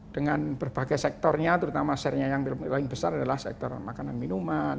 dengan berbagai sektornya terutama share nya yang paling besar adalah sektor makanan minuman